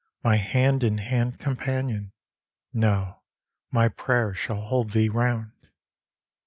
My hand in hand companion, ŌĆö no, My prayers shall hold thee round.